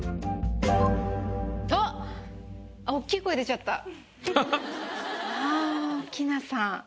おっきい声出ちゃった。